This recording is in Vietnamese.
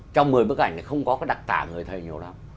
trong một mươi bức ảnh này không có đặc tả người thầy nhiều lắm